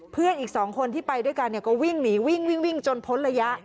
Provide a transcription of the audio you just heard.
เพื่อนอีก๒คนที่ไปด้วยกันก็วิ่งหนีวิ่งจนพ้นระยะ